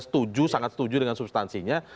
setuju sangat setuju dengan substansinya